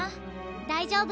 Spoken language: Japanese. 大丈夫。